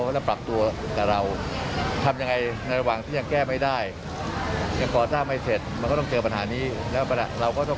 แล้วทุกคนก็แสดงให้เห็นว่าเขาร่วมใจกัน